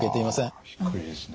低いですね。